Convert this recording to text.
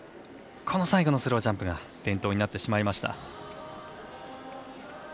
最後のスロージャンプが転倒になってしまいました。